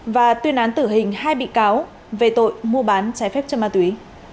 và tuyên án tử hình hai bị cáo về tội mua bán trái phép chất ma túy